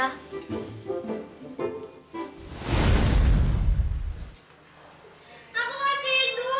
aku mau pergi nuh